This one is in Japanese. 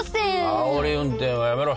あおり運転はやめろ。